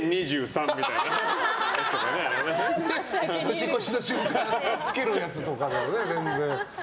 年越しの瞬間着けるやつとかで全然。